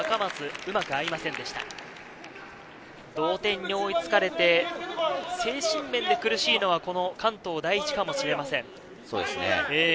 同点に追いつかれて精神面で苦しいのは関東第一かもしれません。